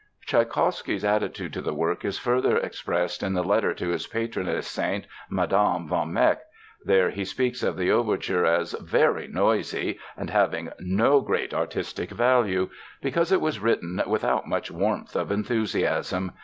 Tschaikowsky's attitude to the work is further expressed in the letter to his patroness saint Mme. von Meck. There he speaks of the overture as "very noisy" and having "no great artistic value" because it was written "without much warmth of enthusiasm."